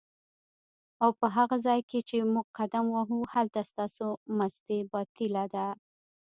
اوپه هغه ځای کی چی موږ قدم وهو هلته ستاسو مستی باطیله ده